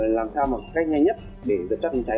làm sao một cách nhanh nhất để dập chất cháy